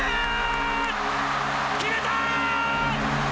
決めたー！